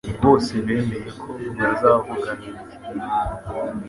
Bose bemeye ko bazavugana iki gihe